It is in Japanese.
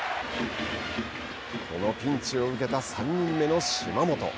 このピンチを受けた３人目の島本。